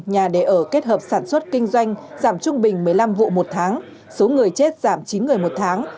nhà để ở kết hợp sản xuất kinh doanh giảm trung bình một mươi năm vụ một tháng số người chết giảm chín người một tháng